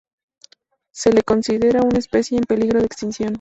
Se le considera una especie en peligro de extinción.